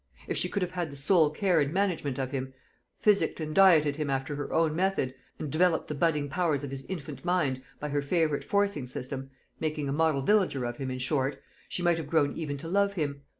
If she could have had the sole care and management of him, physicked and dieted him after her own method, and developed the budding powers of his infant mind by her favourite forcing system made a model villager of him, in short she might have grown even to love him.